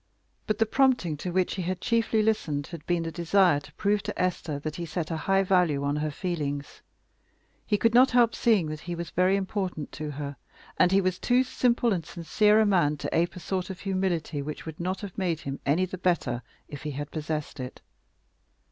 But the prompting to which he had chiefly listened had been the desire to prove to Esther that he set a high value on her feelings. He could not help seeing that he was very important to her; and he was too simple and sincere a man to ape a sort of humility which would not have made him any the better if he had possessed it.